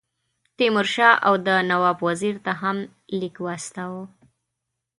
تیمور شاه اَوَد نواب وزیر ته هم لیک واستاوه.